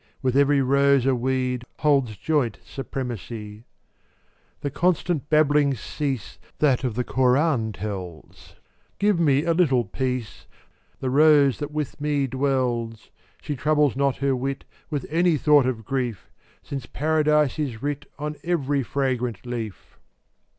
With every rose a weed Holds joint supremacy. 418 The constant babbling cease That of the koran tells, Give me a little peace — The rose that with me dwells; She troubles not her wit With any thought of grief, Since "Paradise" is writ On every fragrant leaf.